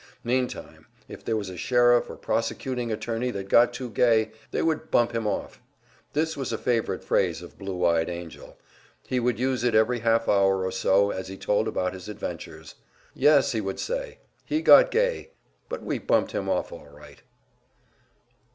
Meantime, if there was a sheriff or prosecuting attorney that got too gay, they would "bump him off." This was a favorite phrase of "Blue eyed Angell." He would use it every half hour or so as he told about his adventures. "Yes," he would say; "he got gay, but we bumped him off all right."